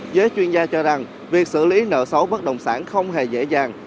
giới chuyên gia cho rằng việc xử lý nợ xấu bất động sản không hề dễ dàng